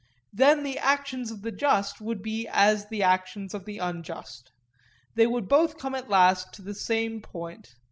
Then the actions of the just would be as the actions of the unjust; they would both come at last to the same point.